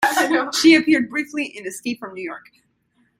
She appeared briefly in "Escape from New York".